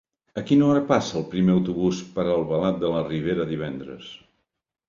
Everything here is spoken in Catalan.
A quina hora passa el primer autobús per Albalat de la Ribera divendres?